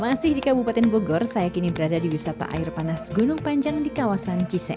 masih di kabupaten bogor saya kini berada di wisata air panas gunung panjang di kawasan cisek